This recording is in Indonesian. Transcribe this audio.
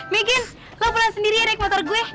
mekin lo pulang sendiri ya naik motor gue